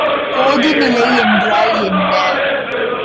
கொதிநிலை என்றால் என்ன?